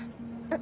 あ！